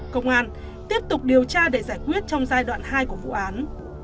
công an tiếp tục điều tra để giải quyết trong giai đoạn hai của vụ án